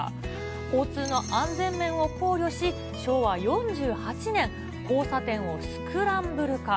交通の安全面を考慮し、昭和４８年、交差点をスクランブル化。